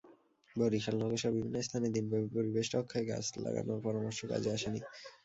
বরিশাল নগরসহ বিভিন্ন স্থানে দিনব্যাপী পরিবেশ রক্ষায় গাছ লাগানোর পরামর্শ কাজে আসেনি।